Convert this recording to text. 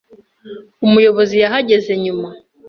Umuyobozi yahageze nyuma.